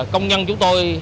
công nhân chúng tôi